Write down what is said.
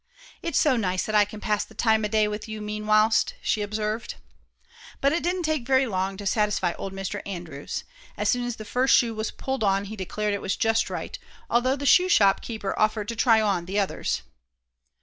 "It's so nice that I can pass the time o' day with you, meanwhilst," she observed. But it didn't take very long to satisfy old Mr. Andrews. As soon as the first shoe was pulled on he declared it was just right, although the shoe shop keeper offered to try on the others.